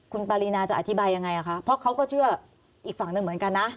คุณปารีนาจะอธิบายยังไงคะเพราะเขาก็เชื่ออีกฝั่งหนึ่งเหมือนกันนะ